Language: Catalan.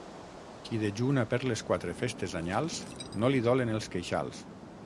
Qui dejuna per les quatre festes anyals no li dolen els queixals.